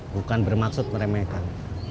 bukan bermaksud meremehkan